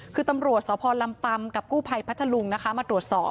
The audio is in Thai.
คือตำรวจสพลำปัมกับกู้ภัยพัทธลุงนะคะมาตรวจสอบ